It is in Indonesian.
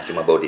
cuma bau dikit